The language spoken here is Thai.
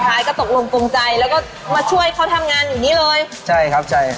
สุดท้ายก็ตกลงตรงใจแล้วก็มาช่วยเขาทำงานอยู่นี้เลยใช่ครับใช่